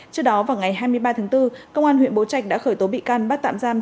trước đó vào ngày hai mươi ba tháng bốn công an huyện bố trạch đã khởi tố bị can bắt tạm giam